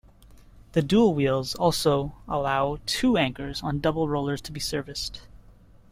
The dual wheels also allow two anchors on double rollers to be serviced.